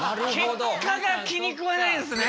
結果が気にくわないんですね。